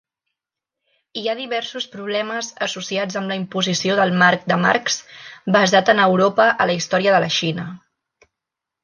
Hi ha diversos problemes associats amb la imposició del marc de Marx basat en Europa a la història de la Xina.